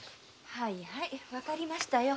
はいはいわかりましたよ。